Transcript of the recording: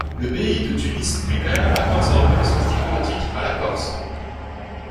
Le Bey de Tunis lui-même accorde sa reconnaissance diplomatique à la Corse.